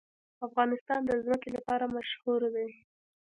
افغانستان د ځمکه لپاره مشهور دی.